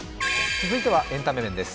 続いてはエンタメ面です。